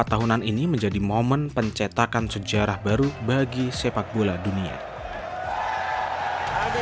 empat tahunan ini menjadi momen pencetakan sejarah pilihan dan penghasilan pilihan pilihan pilihan dan penghasilan pilihan